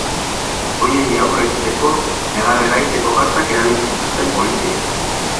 Horiei aurre egiteko, negar eragiteko gasak erabili zituzten poliziek.